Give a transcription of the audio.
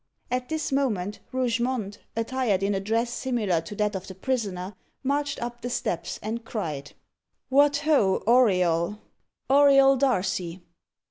At this moment Rougemont, attired in a dress similar to that of the prisoner, marched up the steps, and cried, "What ho, Auriol! Auriol Darcy!"